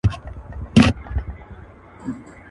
اردلیانو خبراوه له هر آفته.